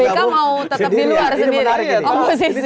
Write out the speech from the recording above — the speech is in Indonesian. mereka mau tetap di luar sendiri